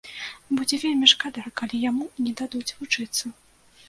Будзе вельмі шкада, калі яму не дадуць вучыцца.